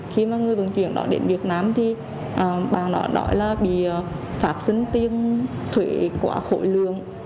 khi mà người vận chuyển đó đến việt nam thì bà nói là bị phát sinh tiếng thủy của hội lượng